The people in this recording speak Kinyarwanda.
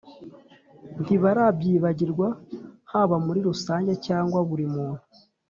ntibarabyibagirwa haba muri rusange cyangwa buri muntu